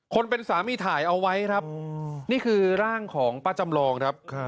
คนเป็นสามีถ่ายเอาไว้ครับนี่คือร่างของป้าจำลองครับ